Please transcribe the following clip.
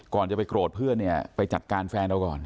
ก่อนจะไปโกรธเพื่อนเนี่ยไปจัดการแฟนเราก่อน